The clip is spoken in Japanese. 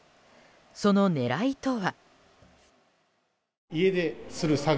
その狙いとは？